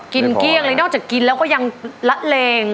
เกลี้ยงเลยนอกจากกินแล้วก็ยังละเลง